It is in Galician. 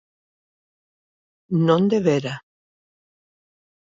Non debera.